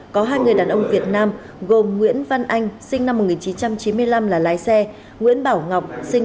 bốn nghìn chín trăm năm mươi một có hai người đàn ông việt nam gồm nguyễn văn anh sinh năm một nghìn chín trăm chín mươi năm là lái xe nguyễn bảo ngọc sinh